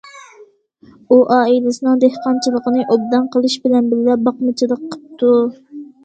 ئۇ ئائىلىسىنىڭ دېھقانچىلىقىنى ئوبدان قىلىش بىلەن بىللە، باقمىچىلىق قىپتۇ.